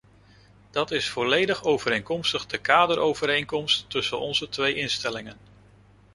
Dat is volledig overeenkomstig de kaderovereenkomst tussen onze twee instellingen.